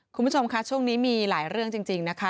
คุณผู้ชมค่ะช่วงนี้มีหลายเรื่องจริงนะคะ